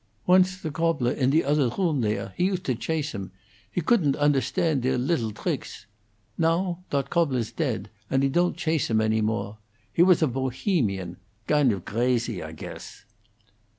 Once the gobbler in the other room there he used to chase 'em; he couldn't onderstand their lidtle tricks. Now dot goppler's teadt, and he ton't chase 'em any more. He was a Bohemian. Gindt of grazy, I cuess."